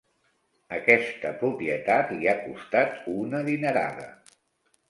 Aquesta propietat li ha costat una dinerada.